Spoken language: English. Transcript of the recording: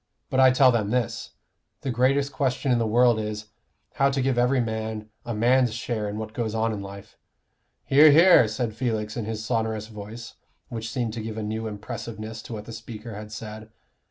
But I tell them this: the greatest question in the world is, how to give every man a man's share in what goes on in life " "Hear, hear!" said Felix in his sonorous voice, which seemed to give a new impressiveness to what the speaker had said.